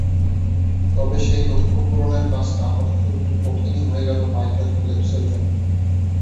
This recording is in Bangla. তবে সেই লক্ষ্যপূরণের কাজটা আপাতত একটু কঠিনই হয়ে গেল মাইকেল ফেল্প্সের জন্য।